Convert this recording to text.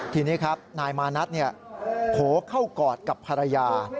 ทีนี้ครับนายมานัทโผล่เข้ากอดกับภรรยา